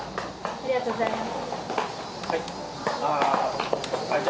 ありがとうございます。